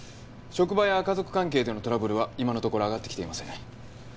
職場や家族関係でのトラブルは今のところ上がってきていません。